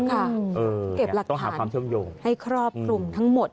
ค่ะเก็บหลักฐานให้ครอบครุมทั้งหมดต้องหาความเชื่อมโยง